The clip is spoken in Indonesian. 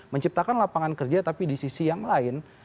menciptakan lapangan kerja tapi di sisi yang lain